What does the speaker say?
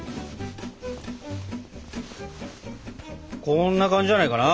こんな感じじゃないかな。